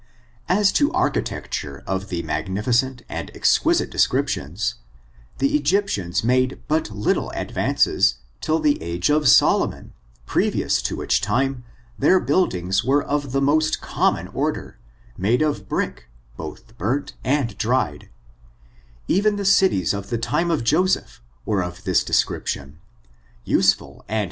As to architecture of the magnificent and exquisite descriptions, the Egyptians made but little advances till the age of Solomon, previous to which time their buildings were of the most common order, made of brick, both bumt and dried; even the cities of the time of Joseph were of this description, useful and I :' I FORTUNES, OF THE NEGRO RACE.